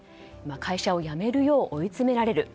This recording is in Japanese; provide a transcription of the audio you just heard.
会社を辞めるよう追い詰められる。